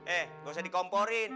eh gak usah dikomporin